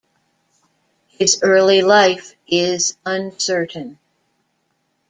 His early life is uncertain.